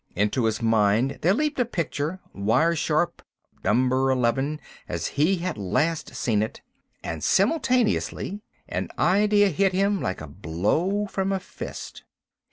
Into his mind there leaped a picture, wire sharp, of Number Eleven as he had last seen it, and simultaneously an idea hit him like a blow from a fist.